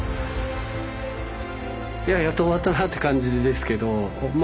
いややっと終わったなって感じですけどま